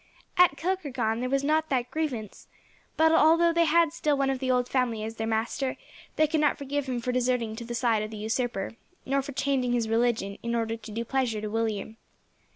At Kilkargan there was not that grievance; but, although they had still one of the old family as their master, they could not forgive him for deserting to the side of the usurper, nor for changing his religion in order to do pleasure to William.